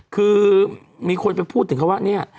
คือมีคนไปพูดถึงเขาว่าเนี่ย